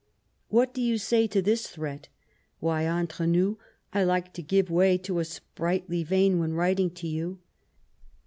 What do you say to this threat ?— ^why, entre nous, I like to give way to a sprightly vein when writing to you.